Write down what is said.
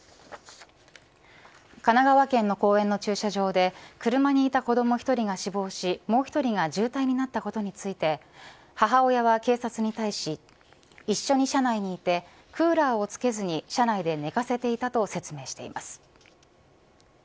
神奈川県の公園の駐車場で車にいた子ども１人が死亡しもう１人が重体になったことについて母親は警察に対し一緒に車内いてクーラーをつけずに車内で寝かせていたと説明しています。